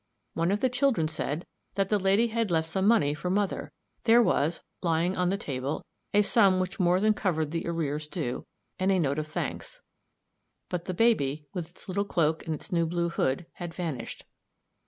One of the children said that the lady had left some money for mother; there was, lying on the table, a sum which more than covered the arrears due, and a note of thanks. But the baby, with its little cloak and its new blue hood, had vanished.